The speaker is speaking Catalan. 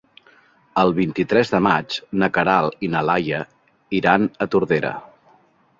El vint-i-tres de maig na Queralt i na Laia iran a Tordera.